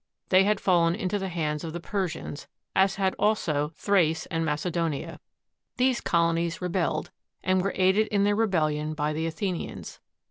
They had fallen into the hands of the Persians, as had also Thrace and Macedonia. These colonies rebelled, and were aided in their rebellion by the Athenians.